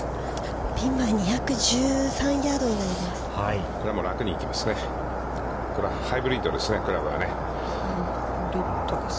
◆ピンまで２１３ヤードになります。